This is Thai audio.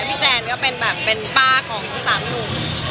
พี่แจนก็เป็นป้าของทุกสามหนู